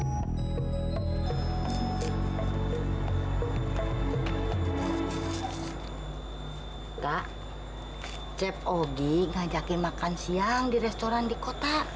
kak cep ogi ngajakin makan siang di restoran di kota